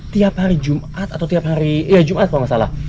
tiap hari jumat atau tiap hari ya jumat kalau nggak salah